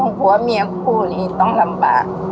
ผัวเมียคู่นี้ต้องลำบาก